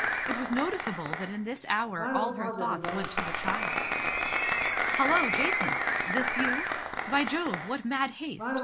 It was noticeable that in this hour all her thoughts went to the child. " Hullo, Jacynth ! This you ? By Jove ! what mad haste.